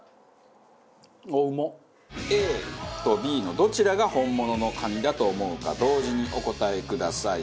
ＡとＢのどちらが本物のカニだと思うか同時にお答えください。